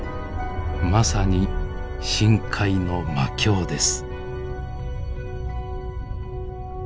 まさに深海の魔境です。